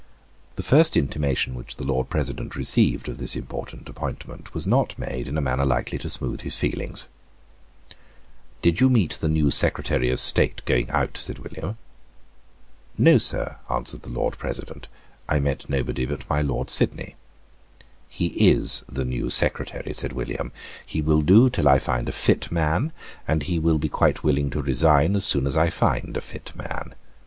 The first intimation which the Lord President received of this important appointment was not made in a manner likely to soothe his feelings. "Did you meet the new Secretary of State going out?" said William. "No, Sir," answered the Lord President; "I met nobody but my Lord Sidney." "He is the new Secretary," said William. "He will do till I find a fit man; and he will be quite willing to resign as soon as I find a fit man.